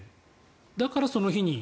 だから、その日に。